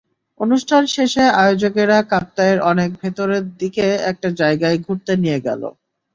অনুষ্ঠান শেষে আয়োজকেরা কাপ্তাইয়ের অনেক ভেতরের দিকে একটা জায়গায় ঘুরতে নিয়ে গেল।